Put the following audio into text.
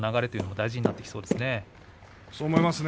大事になってきますね。